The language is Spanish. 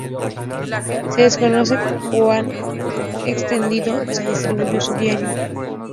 Se desconoce cuán extendido se distribuyó su diario.